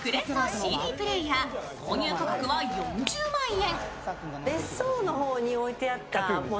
ＣＤプレーヤー、購入価格は４０万円。